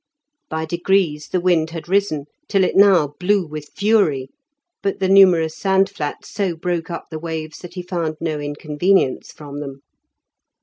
By degrees the wind had risen till it now blew with fury, but the numerous sandflats so broke up the waves that he found no inconvenience from them.